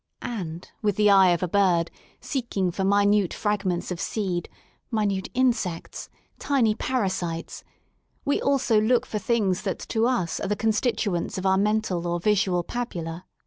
And with the eye of a bird seeking for minute fragments of seed, minute insects, tiny parasites, we also look for things that to us are the constituents of our mental or visual pabula.